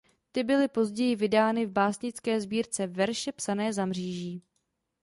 Ty byly později vydány v básnické sbírce Verše psané za mříží.